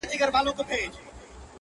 په غوغا به يې په ښار كي ځوان او زوړ كړ؛